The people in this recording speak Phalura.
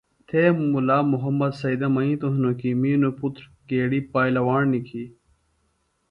تھےۡ مُلا محمد سیدہ منِیتوۡ ہِنوۡ کی می نوۡ پُتر گیڈیۡ پالواݨ نِکھی